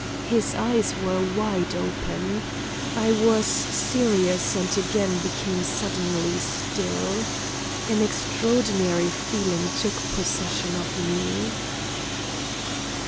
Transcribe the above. His eyes were wide open. I was serious, and again became suddenly still. An extraordinary feeling took possession of me.